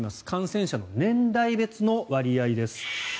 感染者の年代別の割合です。